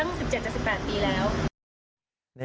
ออกไปตั้ง๑๗๑๘ปีแล้ว